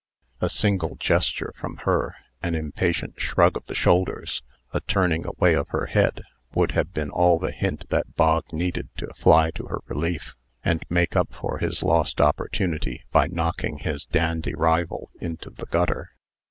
A single gesture from her, an impatient shrug of the shoulders, a turning away of her head, would have been all the hint that Bog needed to fly to her relief, and make up for his lost opportunity by knocking his dandy rival into the gutter.